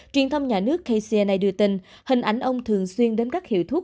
truyền thông nhà nước kcna đưa tin hình ảnh ông thường xuyên đến các hiệu thuốc